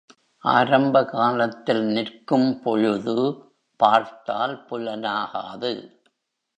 ஆரம்ப காலத்தில் நிற்கும் பொழுது, பார்த்தால் புலனாகாது.